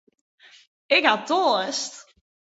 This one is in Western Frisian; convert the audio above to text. Ik ha toarst.